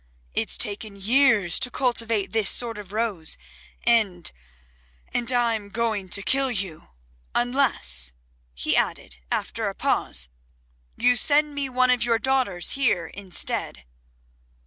"It's taken years to cultivate this sort of rose, and and I'm going to kill you. Unless," he added after a pause, "you send me one of your daughters here instead."